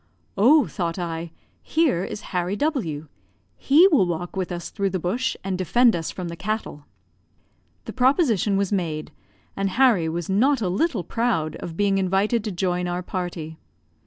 "Oh, thought I, here is Harry W . He will walk with us through the bush, and defend us from the cattle." The proposition was made, and Harry was not a little proud of being invited to join our party.